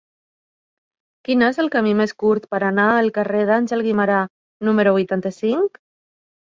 Quin és el camí més curt per anar al carrer d'Àngel Guimerà número vuitanta-cinc?